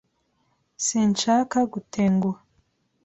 Sinshaka gutenguha .